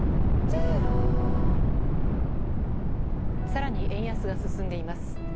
更に円安が進んでいます。